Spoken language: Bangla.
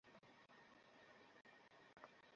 আমার অংশটা ঠিকভাবে করেছি।